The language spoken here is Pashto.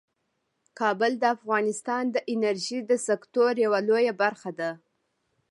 کابل د افغانستان د انرژۍ د سکتور یوه لویه برخه ده.